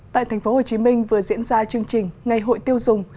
tại tp hcm vừa diễn ra chương trình ngày hội tiêu dùng